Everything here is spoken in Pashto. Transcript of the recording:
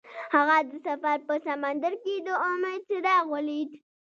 هغه د سفر په سمندر کې د امید څراغ ولید.